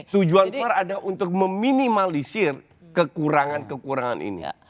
tujuan keluar adalah untuk meminimalisir kekurangan kekurangan ini